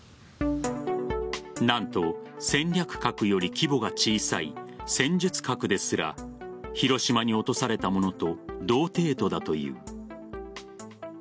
何と、戦略核より規模が小さい戦術核ですら広島に落とされたものと同程度だという。